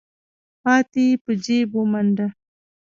پاتې يې په جېب ومنډه.